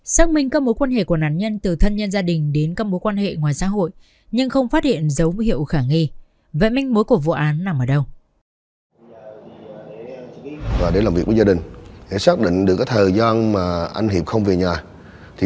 xác minh các mối quan hệ của nạn nhân từ thân nhân gia đình đến các mối quan hệ ngoài xã hội